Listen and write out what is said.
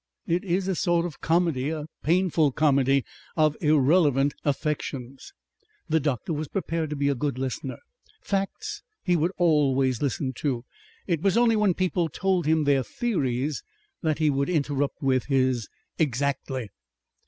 It is a sort of comedy, a painful comedy, of irrelevant affections." The doctor was prepared to be a good listener. Facts he would always listen to; it was only when people told him their theories that he would interrupt with his "Exactly."